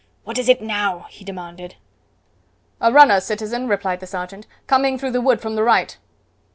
"What is it now?" he demanded. "A runner, citizen," replied the sergeant, "coming through the wood from the right."